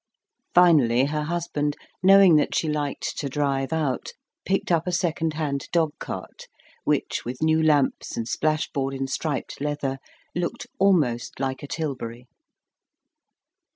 Finally her husband, knowing that she liked to drive out, picked up a second hand dogcart, which, with new lamps and splashboard in striped leather, looked almost like a tilbury.